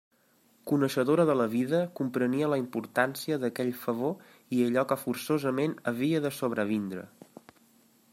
Coneixedora de la vida, comprenia la importància d'aquell favor i allò que forçosament havia de sobrevindre.